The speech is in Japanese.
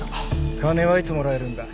金はいつもらえるんだ？